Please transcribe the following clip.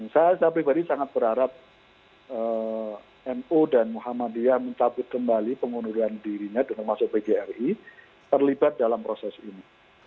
saya pribadi sangat berharap mu dan muhammadiyah mencapai kembali pengunduran dirinya dengan masuk pgri terlibat dalam proses ini